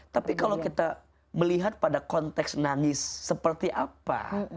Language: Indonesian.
tapi kalau kita melihat pada konteks nangis seperti apa